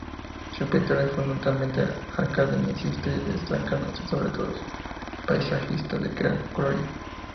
Su pintura es fundamentalmente academicista destacándose sobre todo su paisajística de gran colorido.